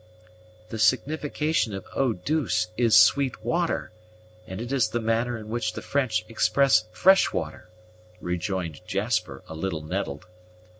"The signification of Eau douce is sweet water, and it is the manner in which the French express fresh water," rejoined Jasper, a little nettled.